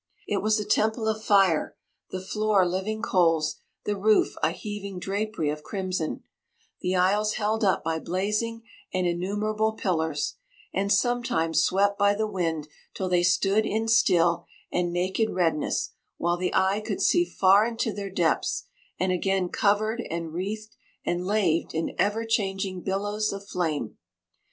It was a temple of fire—the floor living coals—the roof a heaving drapery of crimson—the aisles held up by blazing and innumerable pillars, and sometimes swept by the wind till they stood in still and naked redness, while the eye could see far into their depths, and again covered and wreathed and laved in ever changing billows of flame.